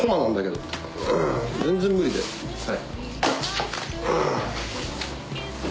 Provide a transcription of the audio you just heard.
・はい。